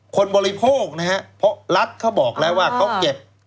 บริโภคนะฮะเพราะรัฐเขาบอกแล้วว่าเขาเก็บ